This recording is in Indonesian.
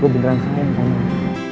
gue beneran sayang sama lo